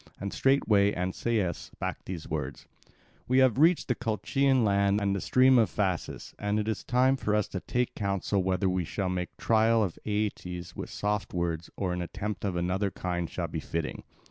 And straightway Ancaeus spake these words: "We have reached the Colchian land and the stream of Phasis; and it is time for us to take counsel whether we shall make trial of Aeetes with soft words, or an attempt of another kind shall be fitting."